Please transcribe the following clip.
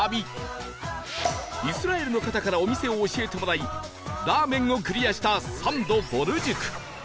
イスラエルの方からお店を教えてもらいラーメンをクリアしたサンドぼる塾